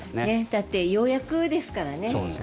だってようやくですからね